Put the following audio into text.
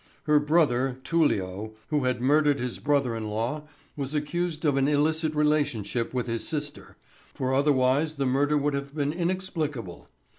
Her brother Tullio, who had murdered his brother in law, was accused of an illicit relationship with his sister, for otherwise the murder would have been inexplicable.